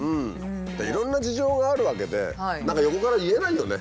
いろんな事情があるわけで何か横から言えないよね。